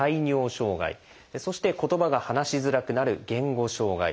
そして言葉が話しづらくなる「言語障害」。